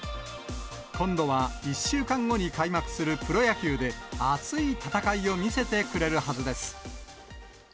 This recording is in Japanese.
今度は１週間後に開幕するプロ野球で、熱い戦いを見せてくれるはずです。